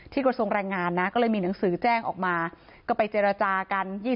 กระทรวงแรงงานนะก็เลยมีหนังสือแจ้งออกมาก็ไปเจรจากัน